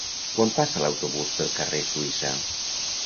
Quan passa l'autobús pel carrer Suïssa?